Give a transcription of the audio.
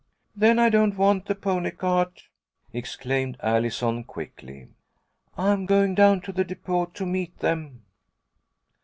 "Then I don't want the pony cart," exclaimed Allison, quickly. "I'm going down to the depot to meet them."